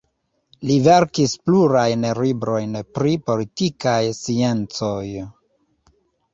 Li verkis plurajn librojn pri politikaj sciencoj.